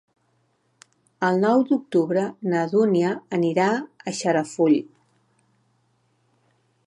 El nou d'octubre na Dúnia anirà a Xarafull.